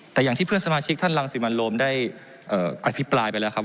แต่อย่างที่เพื่อนสมาชิกท่านรังสิมันโรมได้อภิปรายไปแล้วครับ